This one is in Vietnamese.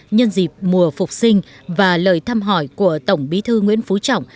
nhân dịp mùa phục sinh và lời thăm hỏi của tổng bí thư nguyễn phú trọng